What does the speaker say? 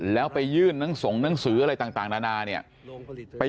แล้วไปยื่นนั่งส่งนั่งสื่ออะไรต่างแล้วนะ